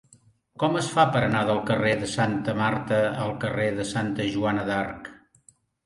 Com es fa per anar del carrer de Santa Marta al carrer de Santa Joana d'Arc?